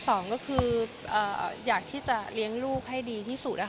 สองก็คืออยากที่จะเลี้ยงลูกให้ดีที่สุด